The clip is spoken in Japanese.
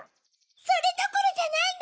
それどころじゃないの！